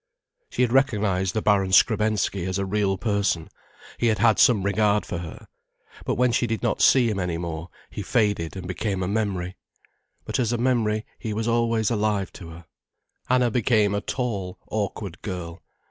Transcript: She had recognized the Baron Skrebensky as a real person, he had had some regard for her. But when she did not see him any more, he faded and became a memory. But as a memory he was always alive to her. Anna became a tall, awkward girl.